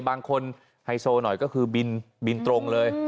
บางคนไฮโซหน่อยก็คือบินตรงเลย